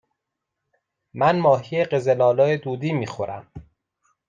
من ماهی قزل آلا دودی می خورم.